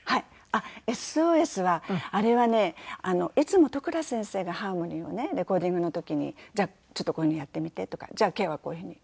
あっ『Ｓ・Ｏ・Ｓ』はあれはねいつも都倉先生がハーモニーをねレコーディングの時に「じゃあちょっとこういうのやってみて」とか「じゃあケイはこういうふうに。